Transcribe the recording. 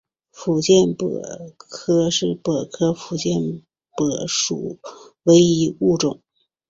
福建柏是柏科福建柏属唯一物种。